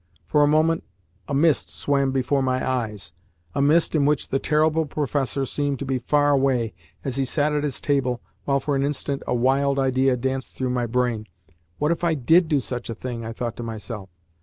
For a moment, a mist swam before my eyes a mist in which the terrible professor seemed to be far away, as he sat at his table while for an instant a wild idea danced through my brain. "What if I DID do such a thing?" I thought to myself.